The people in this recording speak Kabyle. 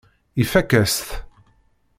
Ifakk-as-t.